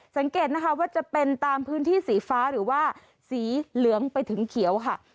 สังเกตนะคะว่าจะเป็นตามพื้นที่สีฟ้าหรือว่าสีเหลืองไปถึงเขียวค่ะ